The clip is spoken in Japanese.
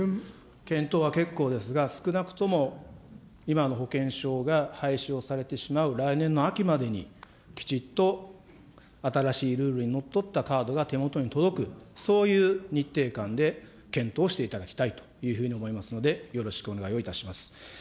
検討は結構ですが、少なくとも今の保険証が廃止をされてしまう来年の秋までに、きちっと新しいルールにのっとったカードが手元に届く、そういう日程感で検討していただきたいというふうに思いますので、よろしくお願いをいたします。